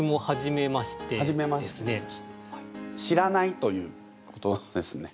知らないということですね。